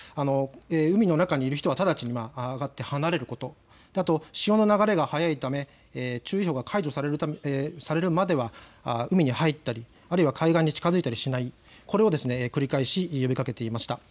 海の中にいる人は直ちに上がって離れること、あと潮の流れが速いため注意報が解除されるまでは海に入ったり、あるいは海岸に近づいたりしない、これを繰り返し呼びかけていました。